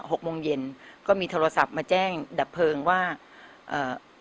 หกโมงเย็นก็มีโทรศัพท์มาแจ้งดับเพลิงว่าเอ่อ